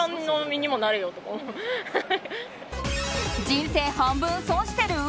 人生半分損してる！？